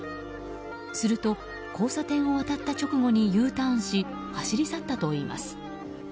すると交差点を渡った直後にＵターンし走り去ったといいます。